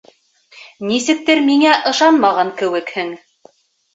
Нисектер миңә ышанмаған кеүекһең.